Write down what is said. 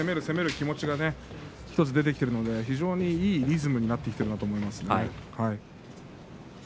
攻める気持ちが１つ出てきているので非常にいいリズムになってきていると思います。